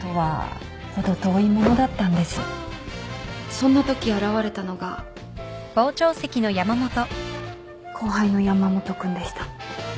そんなとき現れたのが後輩の山本君でした。